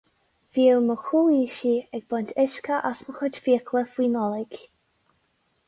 Bhíodh mo chomhaoisigh ag baint uisce as mo chuid fiacla faoi Nollaig.